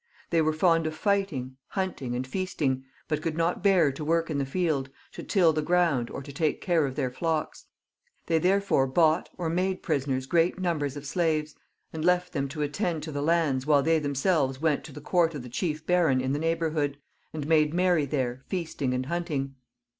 They were fond of fighting, hunting, and feasting, but could not bear to work in the field, to till the ground, or to take care of their flocks. They therefore bought or made prisoners great numbers of slaves, and left them to attend to the lands, while they themselves went to the court of X.] THE LAST CARLOVINGIAN KINGS. 51 the chief barop in the neighbourhood, and made merry there, feasting and hunting.